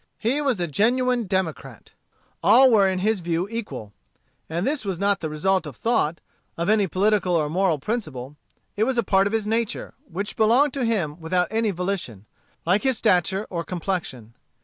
He was a genuine democrat. All were in his view equal. And this was not the result of thought, of any political or moral principle. It was a part of his nature, which belonged to him without any volition, like his stature or complexion.